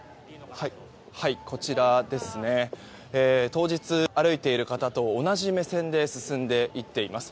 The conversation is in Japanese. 当日、歩いている方と同じ目線で進んでいっています。